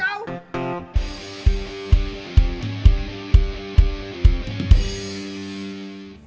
anggarkan saja aku kan kau